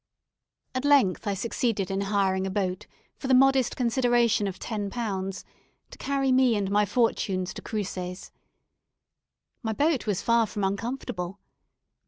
At length I succeeded in hiring a boat for the modest consideration of ten pounds, to carry me and my fortunes to Cruces. My boat was far from uncomfortable.